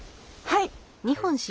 はい。